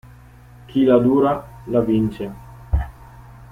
Chi la dura, la vince.